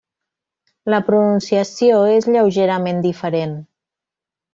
La pronunciació és lleugerament diferent.